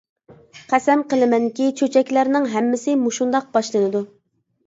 قەسەم قىلىمەنكى، چۆچەكلەرنىڭ ھەممىسى مۇشۇنداق باشلىنىدۇ.